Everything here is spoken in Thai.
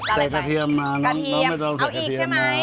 กระเทียมมาน้องไม่ต้องใส่กระเทียมนะ